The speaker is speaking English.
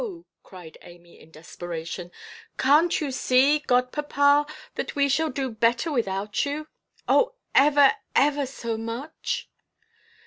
cried Amy, in desperation. "Canʼt you see, godpapa, that we shall do better without you; oh, ever, ever so much"?